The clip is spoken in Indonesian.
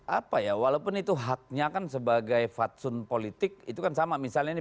apa ya walaupun itu haknya kan sebagai fatsun politik itu kan sama misalnya ini